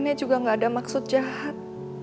ini juga gak ada maksud jahat